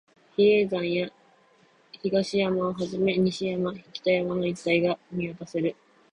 比叡山や東山をはじめ、西山、北山の一帯が見渡せる